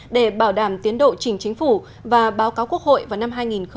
để bảo đảm tiến độ chỉnh chính phủ và báo cáo quốc hội vào năm hai nghìn hai mươi